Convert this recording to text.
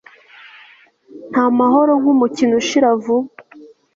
nta mahoro, nk'umukino ushira vuba